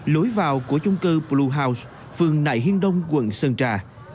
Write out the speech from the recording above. lối vào của chung cư blue house phường nại hiên đông quận sơn trà